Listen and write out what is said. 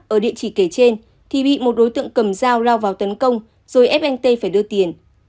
ở địa chỉ kể trên thì bị một đối tượng cầm dao lao vào tấn công rồi ép anh tê phải đưa tiền